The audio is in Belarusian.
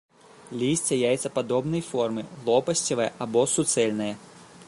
Лісце яйцападобнай формы, лопасцевае або суцэльнае.